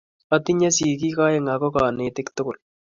Atinye sigiik aeng ago konetik tugul